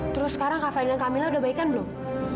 terus sekarang kak fadil dan kamila udah baikan belum